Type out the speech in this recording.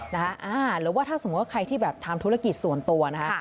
หรือว่าถ้าสมมุติว่าใครที่แบบทำธุรกิจส่วนตัวนะคะ